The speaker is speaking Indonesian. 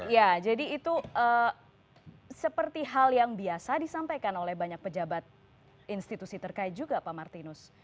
ya jadi itu seperti hal yang biasa disampaikan oleh banyak pejabat institusi terkait juga pak martinus